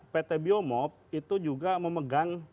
pt biomop itu juga memegang